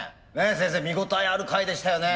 先生見応えある回でしたよね。